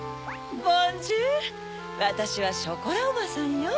ボンジュールわたしはショコラおばさんよ。